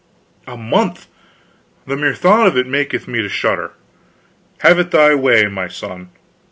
"A month! The mere thought of it maketh me to shudder. Have it thy way, my son.